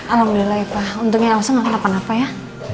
alhamdulillah ya pak untungnya elsa gak makan apa apa ya